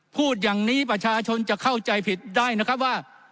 พูดอย่างนี้ประชาชนจะเข้าใจผิดได้นะครับว่า